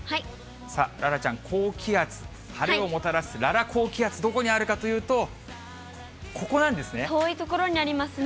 楽々ちゃん、高気圧、晴れをもたらす楽々高気圧、どこにあるかというと、ここなん遠い所にありますね。